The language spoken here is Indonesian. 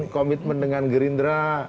komitmen dengan gerindra